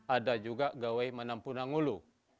ada juga gawai menampunangulu